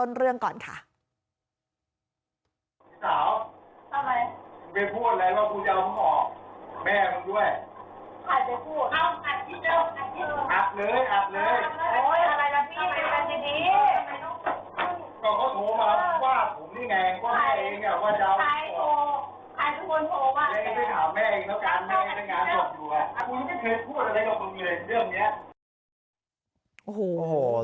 ไม่ถามแม่งก็การเมย์แม่งงานตรงนี้